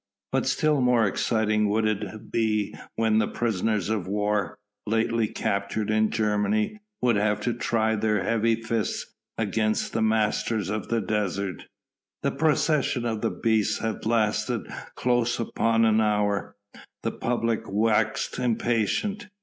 But still more exciting would it be when the prisoners of war, lately captured in Germany, would have to try their heavy fists against the masters of the desert. The procession of the beasts had lasted close upon an hour. The public waxed impatient.